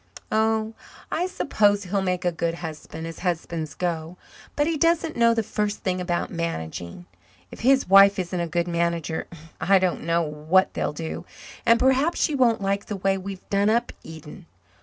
Oh, I suppose he'll make a good husband, as husbands go. But he doesn't know the first thing about managing. If his wife isn't a good manager, I don't know what they'll do. And perhaps she won't like the way we've done up Eden.